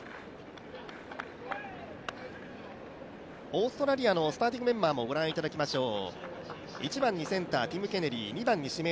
オーストラリアのスターティングメンバーも御覧いただきましょう。